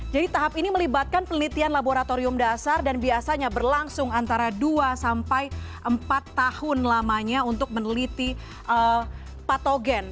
jadi tahap ini melibatkan penelitian laboratorium dasar dan biasanya berlangsung antara dua sampai empat tahun lamanya untuk meneliti patogen